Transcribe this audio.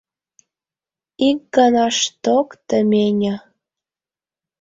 Ик гӓнашток тыменьы.